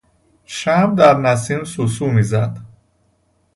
شمع در نسیم سوسو میزد.